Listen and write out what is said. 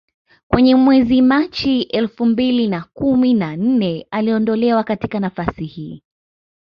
Kwenye mwezi wa Machi elfu mbili na kumi na nne aliondolewa katika nafasi hii